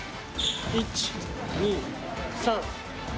１２３。